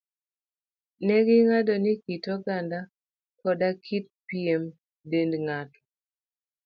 Ne ging'ado ni kit oganda koda kit pien dend ng'ato,